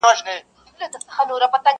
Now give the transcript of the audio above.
ما لیده چي له شاعره زوړ بابا پوښتنه وکړه.!